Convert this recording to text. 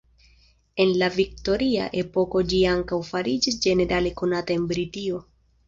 En la viktoria epoko ĝi ankaŭ fariĝis ĝenerale konata en Britio.